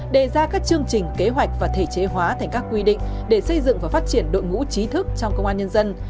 đề ra các chương trình kế hoạch và thể chế hóa thành các quy định để xây dựng và phát triển đội ngũ trí thức trong công an nhân dân